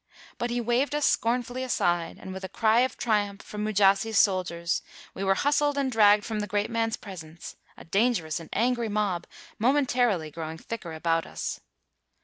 But he waved us scornfully aside, and, with a cry of triumph from Mujasi 's soldiers, we were hustled and dragged from the great man's presence, a dangerous and angry mob momentarily growing thicker about us.